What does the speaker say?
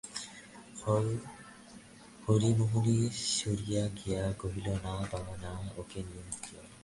হরিমোহিনী সরিয়া গিয়া কহিলেন, না বাবা, না, ওকে নিয়ে যাও।